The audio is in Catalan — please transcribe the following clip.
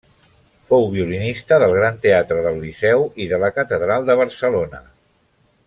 Fou violinista del Gran Teatre del Liceu i de la catedral de Barcelona.